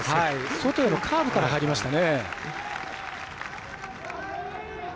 外へのカーブから入りましたね。